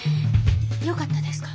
よかったですか？